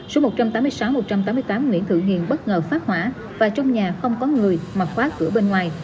số một trăm tám mươi sáu một trăm tám mươi tám nguyễn thượng hiền bất ngờ phát hỏa và trong nhà không có người mà khóa cửa bên ngoài